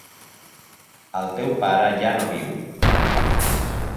El teu pare ja no viu.